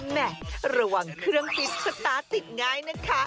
แหมะระหว่างเครื่องฟิตก็ตาติดง่ายนะคะ